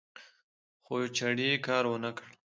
خو چړې کار ونکړ